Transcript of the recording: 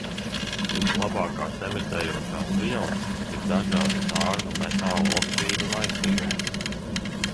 Vislabākās emitējošās vielas ir dažādu sārmu metālu oksīdu maisījumi.